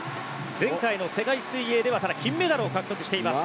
前回の世界水泳では金メダルを獲得しています。